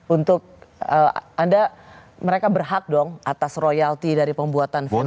untuk anda mereka berhak dong atas royalti dari pembuatan film